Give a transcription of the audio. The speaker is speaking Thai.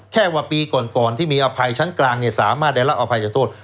แค่ว่าปีก่อนที่มีอภัยชั้นกลางสามารถได้รับอภัยจากโทษ